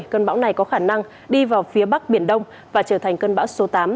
cơn bão này có khả năng đi vào phía bắc biển đông và trở thành cơn bão số tám